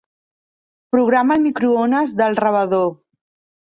Programa el microones del rebedor.